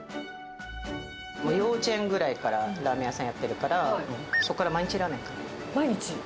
幼稚園ぐらいからラーメン屋さんやってるから、そこから毎日ラーメン。